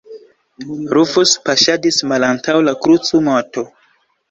Rufus paŝadis malantaŭ la krucumoto.